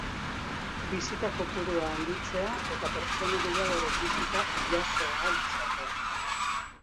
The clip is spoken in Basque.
Bisita kopurua handitzea eta pertsona gehiagoren bisita jaso ahal izatea.